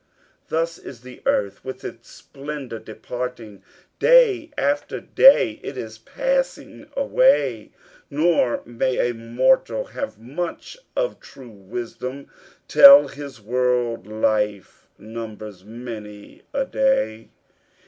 Thus is the earth with its splendor departing Day after day it is passing away, Nor may a mortal have much of true wisdom Till his world life numbers many a day.